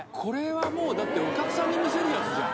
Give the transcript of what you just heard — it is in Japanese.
もうだってお客さんに見せるやつじゃん。